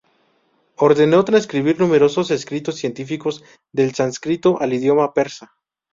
Ordenó transcribir numerosos escritos científicos del sánscrito al idioma persa.